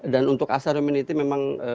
dan untuk asal humanity memang